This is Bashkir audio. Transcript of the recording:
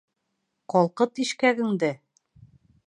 Ҡалҡыт ишкәгеңде!